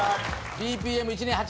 ＢＰＭ１２８。